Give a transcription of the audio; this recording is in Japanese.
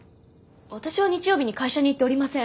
私は日曜日に会社に行っておりません。